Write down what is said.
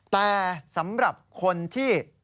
แต่สำหรับคนที่